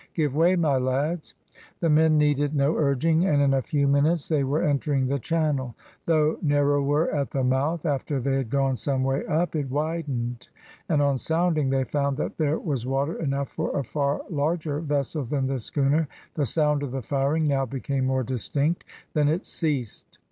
Give way, my lads!" The men needed no urging, and in a few minutes they were entering the channel. Though narrower at the mouth, after they had gone some way up it widened, and on sounding, they found that there was water enough for a far larger vessel than the schooner. The sound of the firing now became more distinct; then it ceased.